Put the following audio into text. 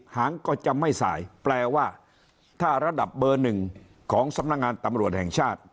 หางก็จะไม่สายแปลว่าถ้าระดับเบอร์หนึ่งของสำนักงานตำรวจแห่งชาติ